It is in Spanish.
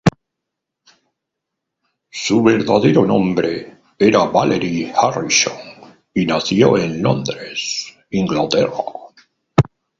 Su verdadero nombre era Valerie Harrison, y nació en Londres, Inglaterra.